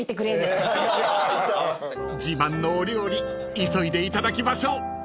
［自慢のお料理急いでいただきましょう］